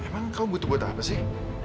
emang kamu butuh buat apa sih